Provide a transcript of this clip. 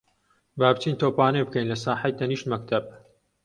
با بچین تۆپانێ بکەین لە ساحەی تەنیشت مەکتەب.